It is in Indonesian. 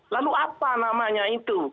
lalu apa namanya itu